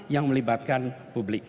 yang melibatkan publik